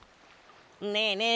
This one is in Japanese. ねえねえ